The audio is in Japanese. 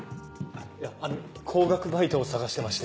いやあの高額バイトを探してまして。